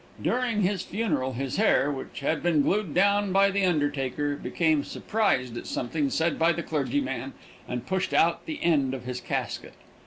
During his funeral his hair, which had been glued down by the undertaker, became surprised at something said by the clergyman and pushed out the end of his casket.